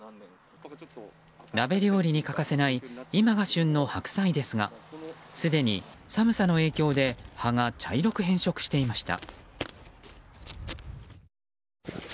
鍋料理に欠かせない今が旬の白菜ですがすでに寒さの影響で葉が茶色く変色していました。